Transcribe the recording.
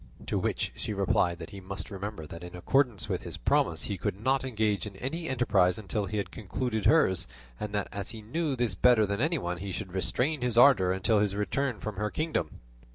To which she replied that he must remember that in accordance with his promise he could not engage in any enterprise until he had concluded hers; and that as he knew this better than anyone, he should restrain his ardour until his return from her kingdom.